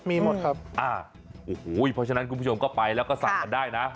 มีหมดครับอ่าโอ้โหเพราะฉะนั้นคุณผู้ชมก็ไปแล้วก็สั่งกันได้นะ